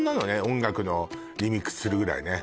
音楽のリミックスするぐらいね